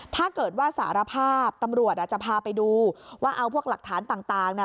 ถ้าเกิดว่าสารภาพตำรวจอาจจะพาไปดูว่าเอาพวกหลักฐานต่างน่ะ